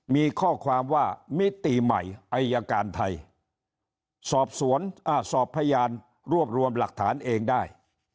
มีข้อความว่ามิติใหม่อายการไทยสอบสวนสอบพยานรวบรวมหลักฐานเองได้